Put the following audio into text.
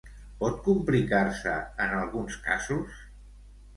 Pot complicar-se en alguns casos?